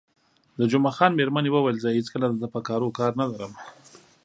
د جمعه خان میرمنې وویل: زه هېڅکله د ده په کارو کار نه لرم.